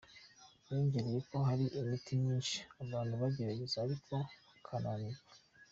Yongerako ko hari imiti myinshi abantu bagerageza ariko bakananirwa.